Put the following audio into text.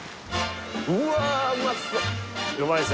’うわうまそっ